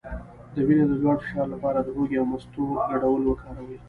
د وینې د لوړ فشار لپاره د هوږې او مستو ګډول وکاروئ